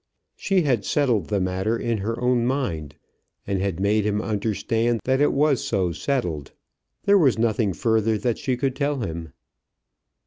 She had settled the matter in her own mind, and had made him understand that it was so settled. There was nothing further that she could tell him.